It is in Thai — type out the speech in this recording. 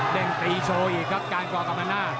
เด้งตีโชว์อีกครับการการ์กบันหน้า